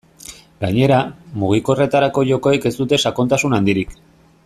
Gainera, mugikorretarako jokoek ez dute sakontasun handirik.